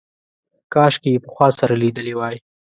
کاشکې یې پخوا سره لیدلي وای.